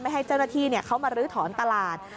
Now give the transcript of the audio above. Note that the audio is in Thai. ให้เจ้าหน้าที่เขามาลื้อถอนตลาด